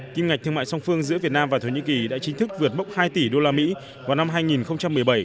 kim ngạch thương mại song phương giữa việt nam và thổ nhĩ kỳ đã chính thức vượt mốc hai tỷ usd vào năm hai nghìn một mươi bảy